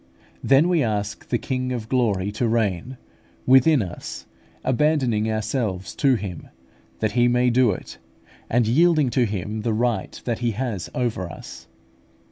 Then we ask this King of Glory to reign within us, abandoning ourselves to Him, that He may do it, and yielding to Him the right that He has over us.